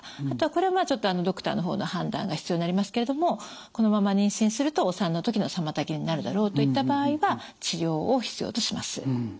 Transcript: あとはこれはまあちょっとドクターの方の判断が必要になりますけれどもこのまま妊娠するとお産の時の妨げになるだろうといった場合は治療を必要とします。